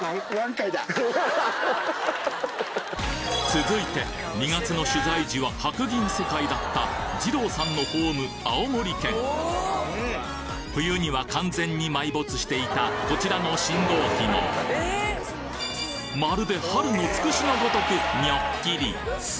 続いて２月の取材時は白銀世界だったじろうさんのホーム冬には完全に埋没していたこちらの信号機もまるで春のつくしの如くニョッキリ！